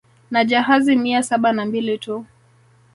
Na jahazi mia saba na mbili tu